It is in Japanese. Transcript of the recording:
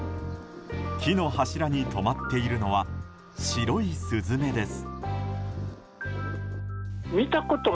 木の柱に止まっているのは白いスズメです。